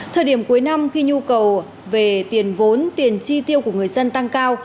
thời điểm cuối năm khi nhu cầu về tiền vốn tiền chi tiêu của người dân tăng cao